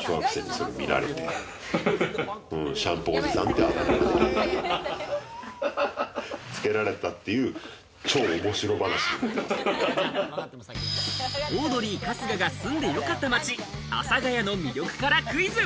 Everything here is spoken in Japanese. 小学生にそれを見られて、シャンプーおじさんってあだ名がね、つけられたっていう、オードリー・春日が住んでよかった町、阿佐ヶ谷の魅力からクイズ。